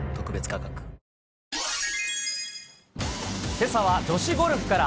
けさは女子ゴルフから。